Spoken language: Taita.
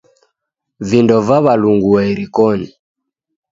Vindo vaw'alungua irikonyi.